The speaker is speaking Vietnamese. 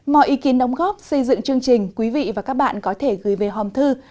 mọi ý kiến đóng góp xây dựng chương trình quý vị và các bạn có thể gửi về hòm thư